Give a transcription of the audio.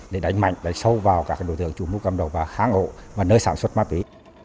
để đẩy mạnh đẩy sâu vào các đối tượng chủ mũ cầm đầu và kháng hộ nơi sản xuất ma túy